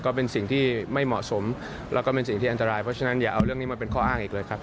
ก็เป็นสิ่งที่ไม่เหมาะสมแล้วก็เป็นสิ่งที่อันตรายเพราะฉะนั้นอย่าเอาเรื่องนี้มาเป็นข้ออ้างอีกเลยครับ